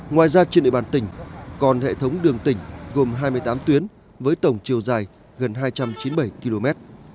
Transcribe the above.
ngoài ra trên địa bàn tỉnh còn hệ thống đường tỉnh gồm hai mươi tám tuyến với tổng chiều dài gần hai trăm chín mươi bảy km